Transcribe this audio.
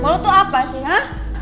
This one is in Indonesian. lo tuh apa sih ha